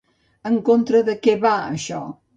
En contra de què va això?